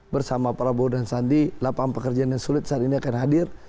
bersama prabowo dan sandi lapangan pekerjaan yang sulit saat ini akan hadir